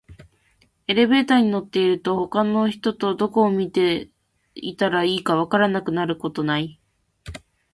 エレベーターに乗ってると、他の人とどこを見ていたらいいか分からなくなることない？